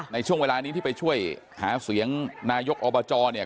ในช่วงเวลานี้ที่ไปช่วยหาเสียงนายกอบจเนี่ย